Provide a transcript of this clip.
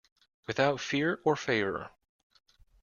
Without fear or favour.